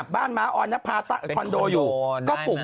บ้านม้าอ้อนคอนโดอยู่